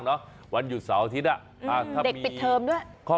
แล้วมันไม่เคยติดลงได้เลย